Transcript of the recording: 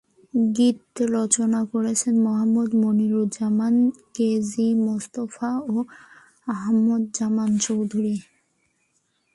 গীত রচনা করেছেন মোহাম্মদ মনিরুজ্জামান, কে জি মুস্তাফা ও আহমদ জামান চৌধুরী।